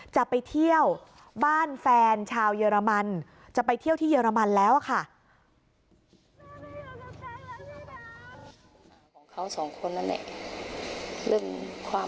จะไปเที่ยวบ้านแฟนชาวเยอรมันจะไปเที่ยวที่เยอรมันแล้วค่ะ